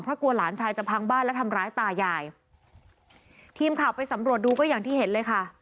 เพราะกลัวหลานชายจะพังบ้านและทำร้ายตายายทีมข่าวไปสำรวจดูก็อย่างที่เห็นเลยค่ะ